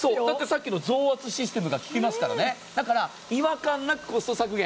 さっきの増圧システムがききますからねだから、違和感なくコスト削減。